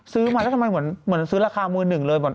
ซื้อมาแล้วทำไมเหมือนซื้อราคามือหนึ่งเลย